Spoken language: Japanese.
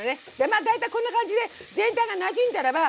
まあ大体こんな感じで全体がなじんだらばみそ。